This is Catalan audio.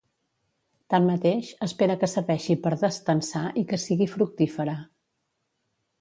Tanmateix, espera que serveixi per destensar i que sigui fructífera.